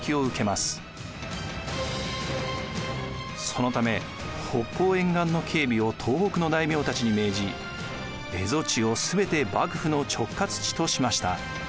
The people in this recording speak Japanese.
そのため北方沿岸の警備を東北の大名たちに命じ蝦夷地をすべて幕府の直轄地としました。